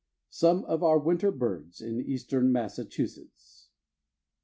SOME OF OUR WINTER BIRDS. IN EASTERN MASSACHUSETTS.